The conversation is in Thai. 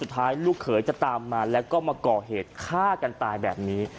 สุดท้ายลูกเขยจะตามมาแล้วก็มาก่อเหตุฆ่ากันตายแบบนี้